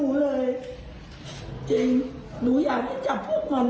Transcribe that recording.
ไม่ต้องให้เค้าใช้กรรมของพวกมัน